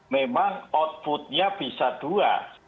memang outputnya bisa dua